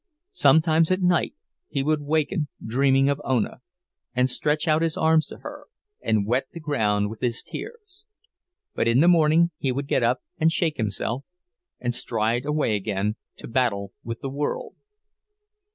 Sometimes at night he would waken dreaming of Ona, and stretch out his arms to her, and wet the ground with his tears. But in the morning he would get up and shake himself, and stride away again to battle with the world.